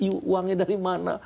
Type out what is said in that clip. uangnya dari mana